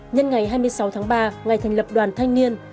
nhân ngày hai mươi sáu tháng ba ngày thành lập đoàn thanh niên